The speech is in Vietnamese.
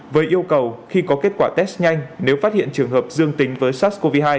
với yêu cầu khi có kết quả test nhanh nếu phát hiện trường hợp dương tính với sars cov hai